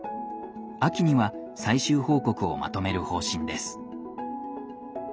秋には最終報告をまとめる方針です。